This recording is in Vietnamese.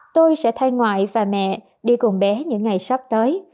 tôi sẽ thay ngoại và mẹ đi cùng bé những ngày sắp tới